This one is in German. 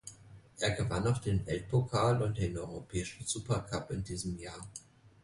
Er gewann noch den Weltpokal und den europäischen Supercup in diesem Jahr.